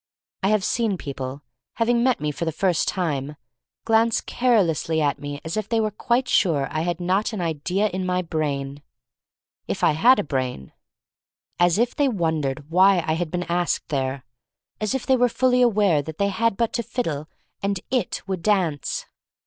I have seen people, having met me for the first time, glance carelessly at me as if they were quite sure I had not an idea in my brain — if I had a brain; as if they won dered why I had been asked there; as if they were fully aware that they had but to fiddle and "It" would dance.